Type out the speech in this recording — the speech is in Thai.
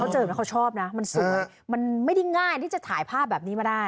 เจอแบบนี้เขาชอบนะมันสวยมันไม่ได้ง่ายที่จะถ่ายภาพแบบนี้มาได้